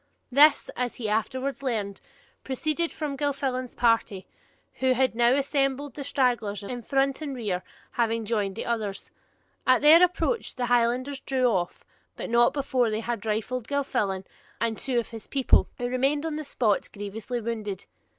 This, as he afterwards learned, proceeded from Gilfillan's party, who had now assembled, the stragglers in front and rear having joined the others. At their approach the Highlanders drew off, but not before they had rifled Gilfillan and two of his people, who remained on the spot grievously wounded.